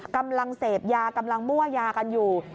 กำลังเสพยากำลังมั่วยากันอยู่